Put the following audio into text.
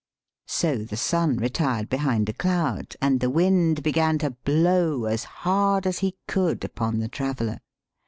So the sun retired behind a cloud, and the wind began to blow as hard as he could upon the traveller.